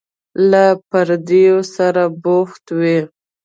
له پردیو سره بوخت وي.